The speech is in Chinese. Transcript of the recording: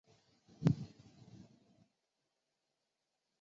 唐朝政治人物。